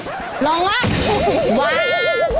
ลองวะ